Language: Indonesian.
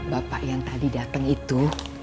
bapak yang tadi datang itu